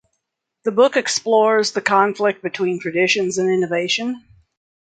The book explores the conflict between traditions and innovation.